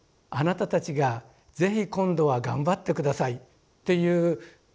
あなたたちが是非今度は頑張ってください」っていう。